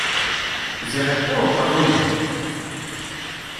Ziɣ iqqur uqeṛṛuy-ik!